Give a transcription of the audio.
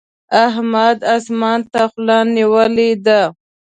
احمد اسمان ته خوله نيولې ده.